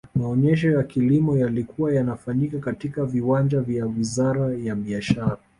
maonyesho ya kilimo yalikuwa yanafanyika katika viwanja vya wizara ya biashara